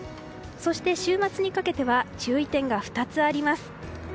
そして、週末にかけては注意点が２つあります。